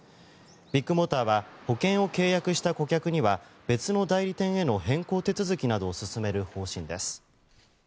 ビッグモーターは保険を契約した顧客には別の代理店への変更手続きなどを進める方針です。